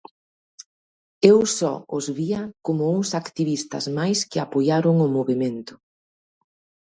Eu só os vía como uns activistas máis que apoiaron o movemento.